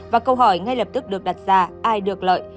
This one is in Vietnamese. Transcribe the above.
và câu hỏi ngay lập tức được đặt ra ai được lợi